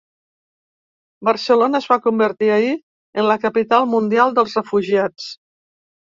Barcelona es va convertir ahir en la capital mundial dels refugiats.